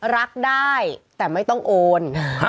รักได้แต่ไม่ต้องโอน